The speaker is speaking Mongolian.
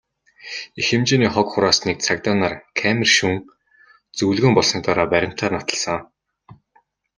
Их хэмжээний хог хураасныг цагдаа нар камер шүүн, зөвлөгөөн болсны дараа баримтаар нотолсон.